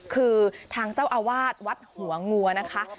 คือทางเจ้าอาวาสวัดหัวงัวนะคะ